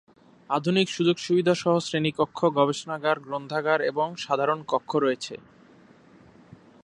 আধুনিক সুযোগ সুবিধাসহ শ্রেণীকক্ষ, গবেষণাগার, গ্রন্থাগার এবং সাধারণ কক্ষ রয়েছে।